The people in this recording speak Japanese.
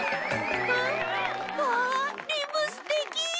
ん？わリムすてき！